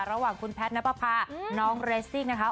ระหว่างคุณแพทย์นับประพาน้องเรสซิ่งนะคะ